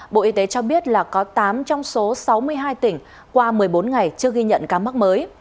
bộ y tế cho biết là có tám trong số sáu mươi hai tỉnh qua một mươi bốn ngày trước ghi nhận ca mắc mới